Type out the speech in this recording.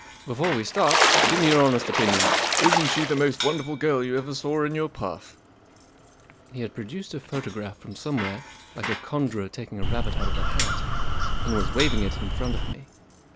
Before we start, give me your honest opinion. Isn't she the most wonderful girl you ever saw in your puff ?" He had produced a photograph from somewhere, like a conjurer taking a rabbit out of a hat, and w as waving it in front of me.